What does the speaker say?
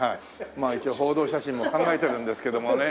まあ一応報道写真も考えてるんですけどもね。